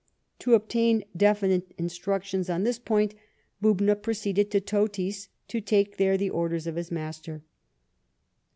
To obtain definite instructions on this point, Bubna proceeded to Totis, to take there the orders of his master.